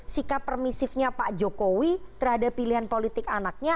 sikap permisifnya pak jokowi terhadap pilihan politik anaknya